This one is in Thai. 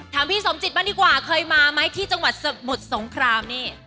ถามพี่สมจิตมาดีกว่าเคยมาไหมที่จังหวัดหมดสงครามนี่